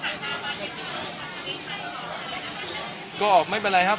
คุณคิดเรื่องนี้ได้ไหม